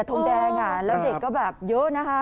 ทงแดงแล้วเด็กก็แบบเยอะนะคะ